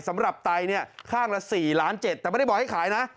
สำหรับไต้ข้างละ๔ล้านเจ็ดแต่ไม่ได้บอกให้ขายนะ